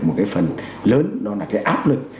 một phần lớn đó là áp lực